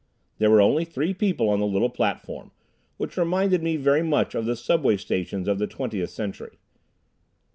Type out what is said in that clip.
There were only three people on the little platform, which reminded me very much of the subway stations of the Twentieth Century.